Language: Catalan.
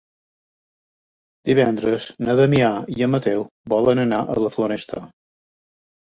Divendres na Damià i en Mateu volen anar a la Floresta.